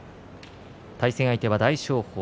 対戦相手は大翔鵬。